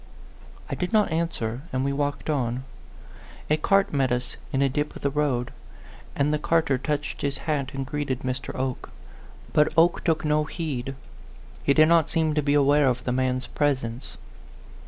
I did not answer, and we walked on. A cart met us in a dip of the road, and the carter touched his hat and greeted Mr. Oke. But Oke took no heed; he did not seem to be aware of the man's presence.